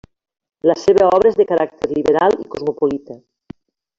La seva obra és de caràcter liberal i cosmopolita.